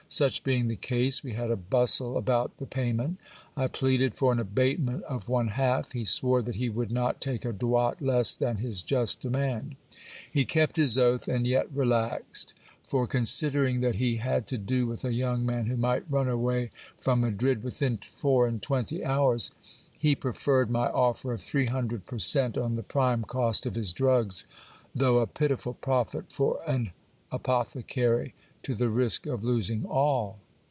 Such being the case, we had a bustle about the pay ment. I pleaded for an abatement of one half. He swore that he would not take a doit less than his just demand. He kept his oath and yet relaxed ; for considering that he had to do with a young man who might run away from Madrid within four and twenty hours, he preferred my offer of three hundred per cent, on the prime cost of his drugs, though a pitiful profit for an apothecary, to the risk of losing all.